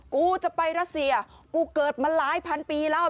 กูจะไปรัสเซียกูเกิดมาหลายพันปีแล้ว